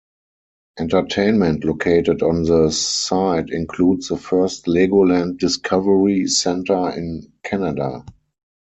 Entertainment located on the site includes the first Legoland Discovery Centre in Canada.